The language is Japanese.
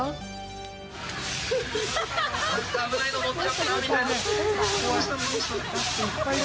危ないの乗っちゃったみたいな。